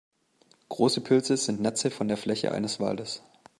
Große Pilze sind Netze von der Fläche eines Waldes.